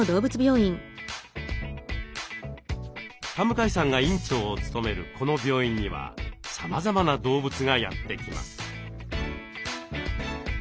田向さんが院長を務めるこの病院にはさまざまな動物がやって来ます。